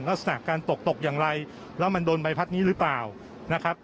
ลักษณะการตกตกอย่างไรแล้วมันโดนใบพัดนี้หรือเปล่านะครับ